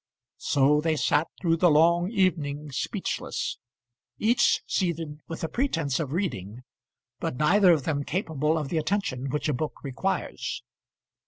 So they sat through the long evening, speechless; each seated with the pretence of reading, but neither of them capable of the attention which a book requires.